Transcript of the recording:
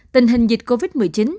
một tình hình dịch covid một mươi chín